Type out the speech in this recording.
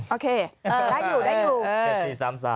โอเคได้อยู่ได้อยู่